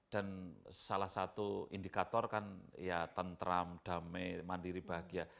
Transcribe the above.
dan salah satu indikator kan ya tentram damai mandiri bahagia